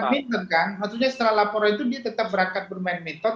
maksudnya setelah laporan itu dia tetap berangkat bermain badminton